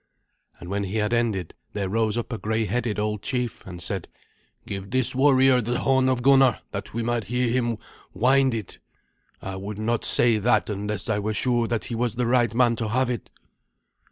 And when he had ended, there rose up a grey headed old chief, and said, "Give this warrior the horn of Gunnar, that we may hear him wind it. I would not say that unless I were sure that he was the right man to have it."